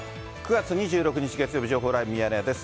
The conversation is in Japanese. ９月２６日月曜日、情報ライブミヤネ屋です。